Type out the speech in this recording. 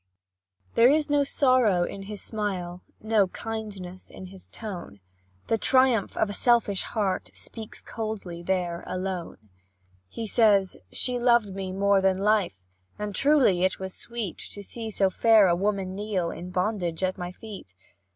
There is no sorrow in his smile, No kindness in his tone; The triumph of a selfish heart Speaks coldly there alone; He says: "She loved me more than life; And truly it was sweet To see so fair a woman kneel, In bondage, at my feet.